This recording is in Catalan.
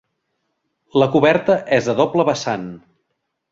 La coberta és a doble vessant.